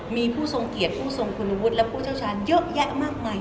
มีผู้ทรงเกียรติผู้ทรงคุณวุฒิและผู้เชี่ยวชาญเยอะแยะมากมาย